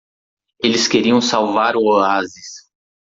Eles queriam salvar o oásis.